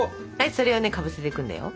それをねかぶせていくんだよ。